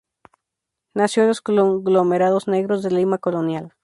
Nació en los conglomerados negros de Lima colonial.